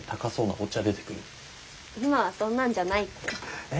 今はそんなんじゃないって。え？